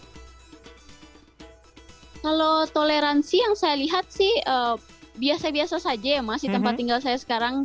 kalau toleransi yang saya lihat sih biasa biasa saja ya mas di tempat tinggal saya sekarang